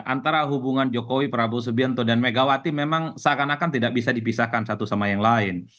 antara hubungan jokowi prabowo subianto dan megawati memang seakan akan tidak bisa dipisahkan satu sama yang lain